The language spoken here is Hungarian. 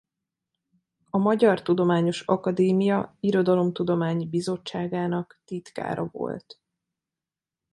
A Magyar Tudományos Akadémia Irodalomtudományi Bizottságának titkára volt.